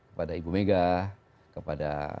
kepada ibu megawati kepada